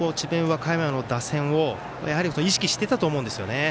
和歌山の打線をやはり意識してたと思うんですよね。